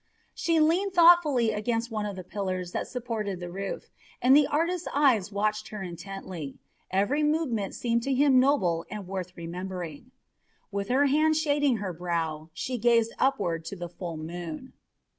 She leaned thoughtfully against one of the pillars that supported the roof, and the artist's eyes watched her intently; every movement seemed to him noble and worth remembering. With her hand shading her brow, she gazed upward to the full moon.